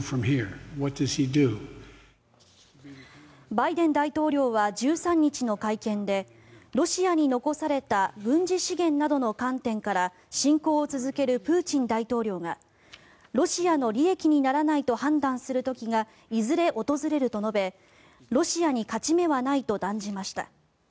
バイデン大統領は１３日の会見でロシアに残された軍事資源などの観点から侵攻を続けるプーチン大統領がロシアの利益にならないと判断する時がいずれ訪れると述べロシアに勝ち目はないと断じました。